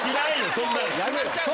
そんなん。